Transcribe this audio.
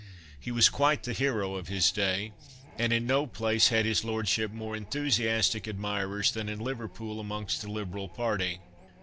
He was quite the hero of his day, and in no place had his lordship more enthusiastic admirers than in Liverpool amongst the liberal party.